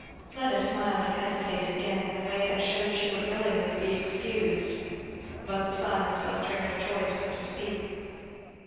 Fleda smiled and hesitated again, in a way that shewed she would willingly be excused, but the silence left her no choice but to speak.